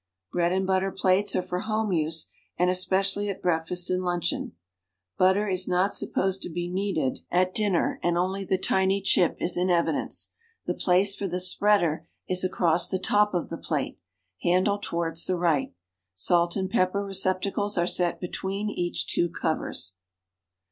Bread and butter |)lates are for home use, and es|)ccially at Ijreakfast and luncheon; butter is not sup[)o.sed to be needed at 23 dinner and only the tiny "cliip" is in evidence. The place for the "spreader" is across the top of the jjlate, handle towards the right. Salt and pepi)er receptacles are set between each two covers.